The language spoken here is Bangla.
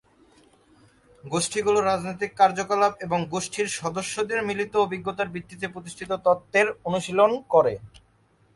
গোষ্ঠীগুলো রাজনৈতিক কার্যকলাপ এবং গোষ্ঠীর সদস্যদের মিলিত অভিজ্ঞতার ভিত্তিতে প্রতিষ্ঠিত তত্ত্বের অনুশীলন করে।